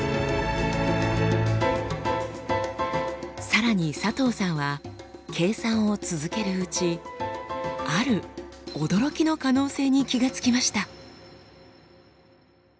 さらに佐藤さんは計算を続けるうちある驚きの可能性に気が付きました。